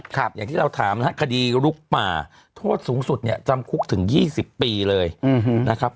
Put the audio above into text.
อย่างที่เราถามคดีลุกป่าโทษสูงสุดจำคุกถึง๒๐ปีเลยนะครับ